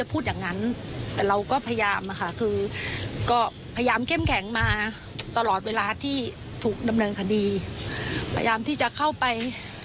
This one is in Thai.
พยายามที่จะเข้าไป